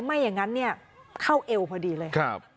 ไม่อย่างนั้นเข้าเอวพอดีเลย